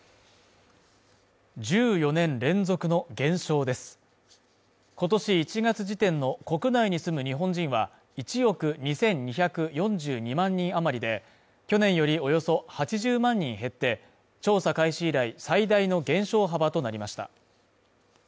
１４年連続の減少です今年１月時点の国内に住む日本人は１億２２４２万人余りで去年よりおよそ８０万人減って調査開始以来最大の減少幅となりました